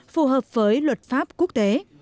phù hợp với luật pháp quốc tế